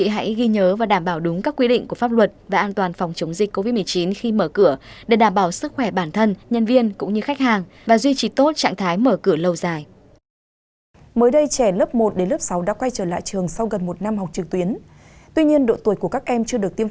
hãy đăng ký kênh để ủng hộ kênh của chúng tôi nhé